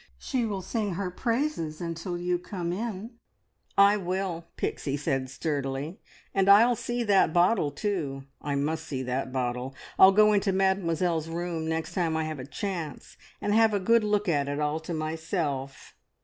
She will sing her praises until you come in." "I will," said Pixie sturdily. "And I'll see that bottle, too. I must see that bottle. I'll go into Mademoiselle's room next time I have a chance, and have a good look at it all to myself!"